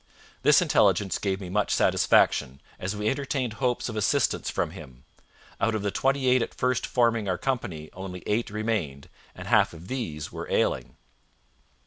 'This intelligence gave me much satisfaction, as we entertained hopes of assistance from him. Out of the twenty eight at first forming our company only eight remained, and half of these were ailing.'